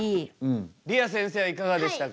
りあせんせいはいかがでしたか？